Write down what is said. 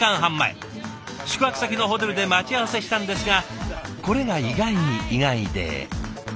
宿泊先のホテルで待ち合わせしたんですがこれが意外に意外で。